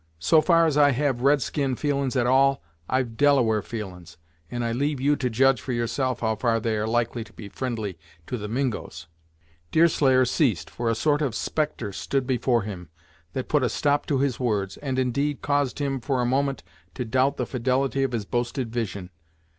So far as I have red skin feelin's at all, I've Delaware feelin's, and I leave you to judge for yourself how far they are likely to be fri'ndly to the Mingos " Deerslayer ceased, for a sort of spectre stood before him, that put a stop to his words, and, indeed, caused him for a moment to doubt the fidelity of his boasted vision.